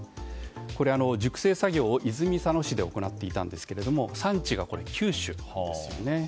これは、熟成作業を泉佐野市で行っていましたが産地が九州ですよね。